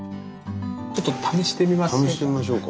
ちょっと試してみませんか？